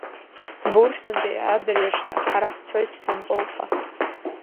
Бурсантәи адырҩаҽны ҳара ҳцоит Сҭампылҟа.